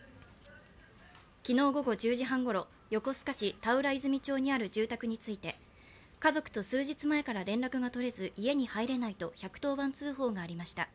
昨日午後１０時半ごろ、横須賀市田浦泉町にある住宅について家族と数日前から連絡がとれず家に入れないと１１０番通報がありました。